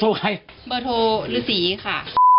โทรฤาษีค่ะ